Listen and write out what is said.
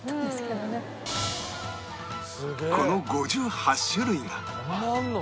この５８種類が